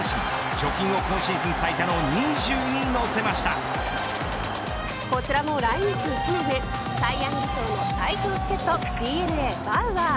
貯金を今シーズン最多のこちらも来日１年目サイ・ヤング賞の最強助っ人ＤｅＮＡバウアー。